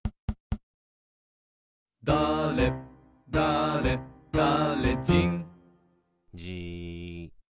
「だれだれだれじん」じーっ。